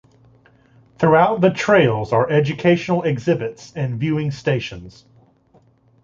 Throughout the trails are educational exhibits and viewing stations.